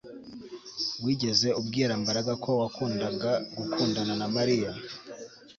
Wigeze ubwira Mbaraga ko wakundaga gukundana na Mariya